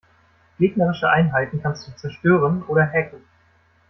Gegnerische Einheiten kannst du zerstören oder hacken.